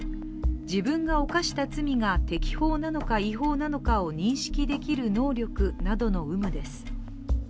自分が犯した罪が適法なのか違法なのかを認識できる能力などの有無です。